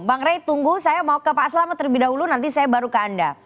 bang rey tunggu saya mau ke pak selamat terlebih dahulu nanti saya baru ke anda